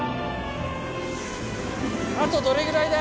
あとどれぐらいだ？